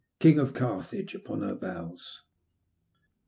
King of Carthage, upon her bows.